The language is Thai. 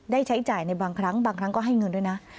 ใช้จ่ายในบางครั้งบางครั้งก็ให้เงินด้วยนะ